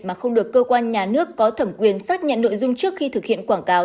mà không được cơ quan nhà nước có thẩm quyền xác nhận nội dung trước khi thực hiện quảng cáo